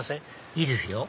いいですよ